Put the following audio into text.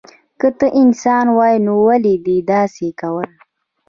که ته انسان وای نو ولی دی داسی کول